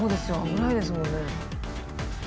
危ないですもんね。